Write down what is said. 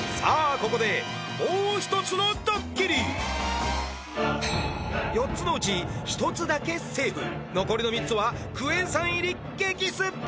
ここでもう一つのドッキリ４つのうち１つだけセーフ残りの３つはクエン酸入り激スッパ